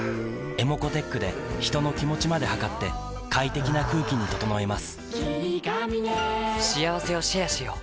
ｅｍｏｃｏーｔｅｃｈで人の気持ちまで測って快適な空気に整えます